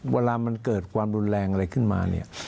เวลามันเกิดความรุนแรงอะไรขึ้นมาเนี่ย